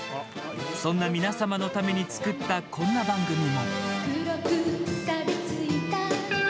そんなみなさまのために作ったこんな番組も。